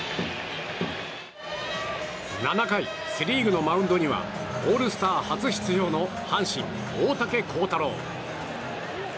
７回、セ・リーグのマウンドにはオールスタ初出場の阪神、大竹耕太郎。